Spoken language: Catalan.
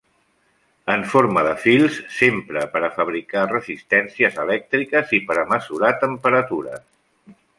En forma de fils s'empra per a fabricar-hi resistències elèctriques i per a mesurar temperatures.